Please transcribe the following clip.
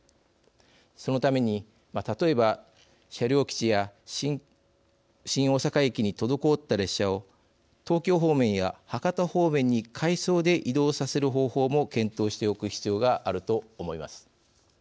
そのために例えば車両基地や新大阪駅に滞った列車を東京方面や博多方面に回送で移動させる方法も検討しておく必要があると思います。